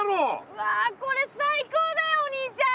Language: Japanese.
うわこれ最高だよお兄ちゃん！